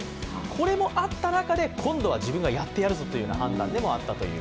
これもあった中で今度は自分がやってやるぞという判断でもあったという。